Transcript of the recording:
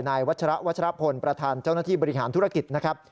วัชระวัชรพลประธานเจ้าหน้าที่บริหารธุรกิจนะครับ